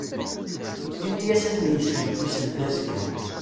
Ini-yas ad d-un-yessujed i seldazekk.